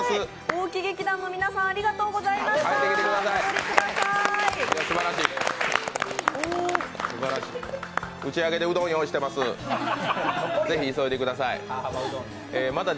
大木劇団の皆さん、ありがとうございました。